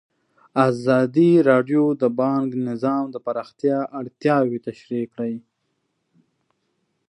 ازادي راډیو د بانکي نظام د پراختیا اړتیاوې تشریح کړي.